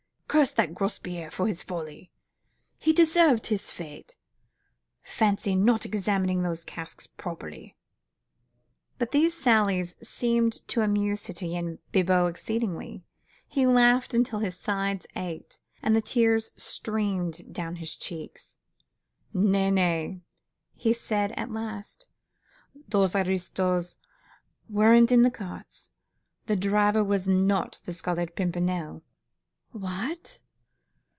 "Curse that Grospierre for his folly!" "He deserved his fate!" "Fancy not examining those casks properly!" But these sallies seemed to amuse Citoyen Bibot exceedingly; he laughed until his sides ached, and the tears streamed down his cheeks. "Nay, nay!" he said at last, "those aristos weren't in the cart; the driver was not the Scarlet Pimpernel!" "What?"